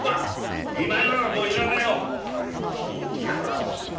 おい金太郎。